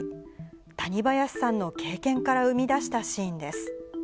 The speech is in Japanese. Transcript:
谷林さんの経験から生み出したシーンです。